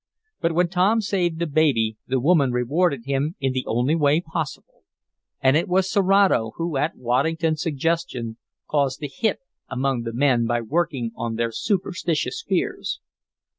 But when Tom saved the baby the woman rewarded him in the only way possible. And it was Serato, who, at Waddington's suggestion, caused the "hit" among the men by working on their superstitious fears.